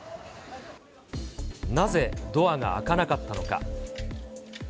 なぜドアが開かなかったのか。